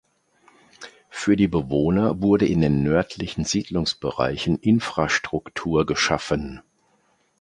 Für die Bewohner wurde in den nördlichen Siedlungsbereichen Infrastruktur geschaffen.